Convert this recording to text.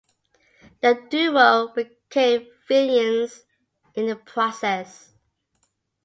The duo became villains in the process.